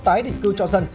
tái định cư cho dân